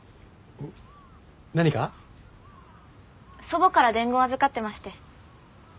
祖母から伝言預かってまして。